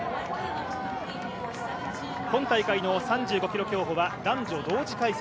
今大会の３５ｋｍ競歩は男女同時開催。